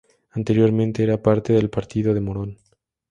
Anteriormente era parte del partido de Morón.